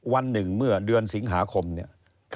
วันหนึ่งเมื่อเดือนสิงหาคมเนี่ย